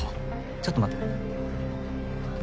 ちょっと待ってね